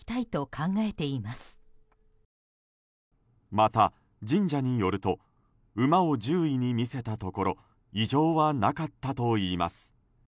また、神社によると馬を獣医に診せたところ異常はなかったといいます。